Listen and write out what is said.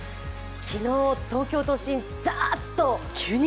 昨日、東京都心、ザーッと。